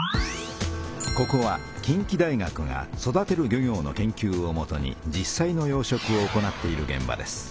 ここは近畿大学が育てる漁業の研究をもとに実さいの養殖を行っているげん場です。